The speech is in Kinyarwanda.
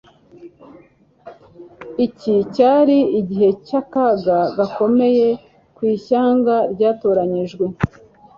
iki cyari igihe cy'akaga gakomeye ku ishyanga ryatoranyijwe